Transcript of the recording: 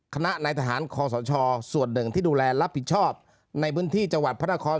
นายทหารคอสชส่วนหนึ่งที่ดูแลรับผิดชอบในพื้นที่จังหวัดพระนคร